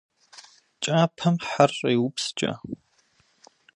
Кӏапэм хьэр щӏеупскӏэ.